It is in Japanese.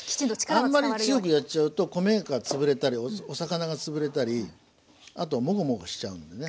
あんまり強くやっちゃうと米が潰れたりお魚が潰れたりあとモゴモゴしちゃうんでね。